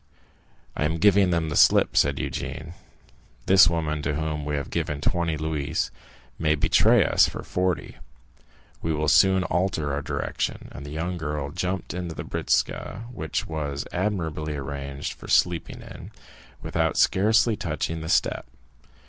"I am giving them the slip," said Eugénie; "this woman to whom we have given twenty louis may betray us for forty; we will soon alter our direction." And the young girl jumped into the britzka, which was admirably arranged for sleeping in, without scarcely touching the step.